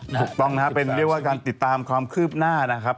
ถูกต้องนะครับเป็นเรียกว่าการติดตามความคืบหน้านะครับ